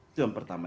itu yang pertama